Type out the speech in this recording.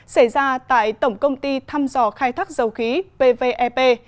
xảy ra tại tổng công ty thăm dò khai thác dầu khí pvep